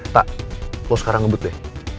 tak lo sekarang ngebut deh